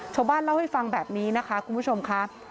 ชาวบ้านเล่าให้ฟังแบบนี้นะคะคุณผู้ชมค่ะ